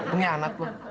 pengen anak bu